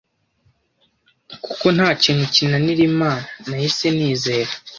kuko nta kintu kinanira Imana nahise nizera